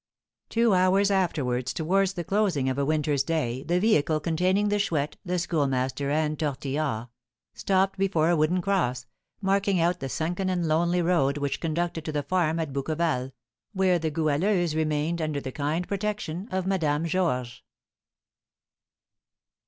Two hours afterwards, towards the closing of a winter's day, the vehicle containing the Chouette, the Schoolmaster, and Tortillard, stopped before a wooden cross, marking out the sunken and lonely road which conducted to the farm at Bouqueval, where the Goualeuse remained under the kind protection of Madame Georges.